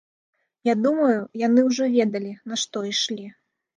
Я думаю, яны ўжо ведалі, на што ішлі.